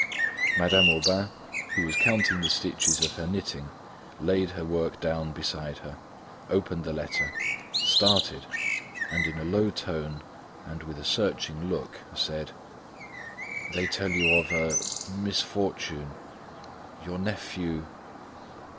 Madame Aubain, who was counting the stitches of her knitting, laid her work down beside her, opened the letter, started, and in a low tone and with a searching look said: "They tell you of a misfortune. Your nephew